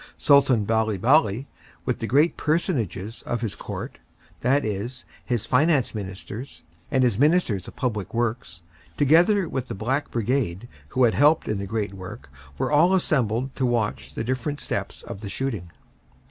Sultan Bali Bali, with the great personages of his court, that is, his Finance Ministers and his Ministers of Public Works, together with the Black Brigade, who had helped in the great work, were all assembled to watch the different steps of the shooting.